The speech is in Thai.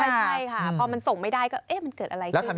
ใช่ค่ะพอมันส่งไม่ได้ก็เอ๊ะมันเกิดอะไรขึ้น